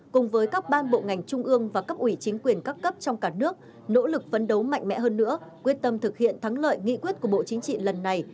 cùng với các ban bộ ngành trung ương và cấp ủy chính quyền các cấp trong cả nước nỗ lực phấn đấu mạnh mẽ hơn nữa quyết tâm thực hiện thắng lợi nghị quyết của bộ chính trị lần này